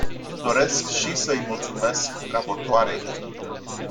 Doresc și să îi mulțumesc raportoarei.